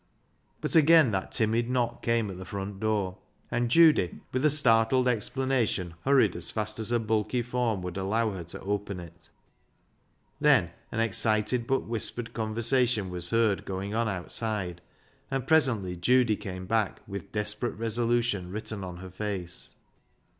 But again that timid knock came at the front door, and Judy, with a startled exclamation, hurried, as fast as her bulky form would allow her, to open it. Then an excited but whispered conversation was heard going on outside, and presently Judy came back with desperate resolution written on her face.